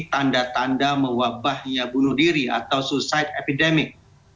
tanda tanda mewabahnya bunuh diri atau suicide epidemik